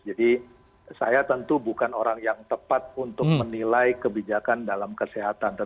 jadi saya tentu bukan orang yang tepat untuk menilai kebijakan dalam kesehatan